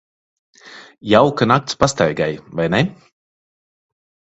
Jauka nakts pastaigai, vai ne?